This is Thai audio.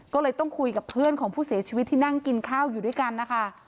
ก็เลยต้องคุยกับเพื่อนของผู้เสียชีวิตที่นั่งกินข้าวอยู่ด้วยกันนะคะ